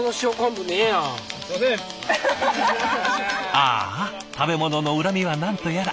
ああ食べ物の恨みは何とやら。